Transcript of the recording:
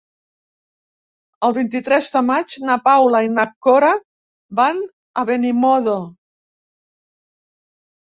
El vint-i-tres de maig na Paula i na Cora van a Benimodo.